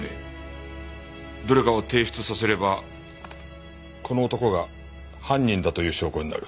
どれかを提出させればこの男が犯人だという証拠になる。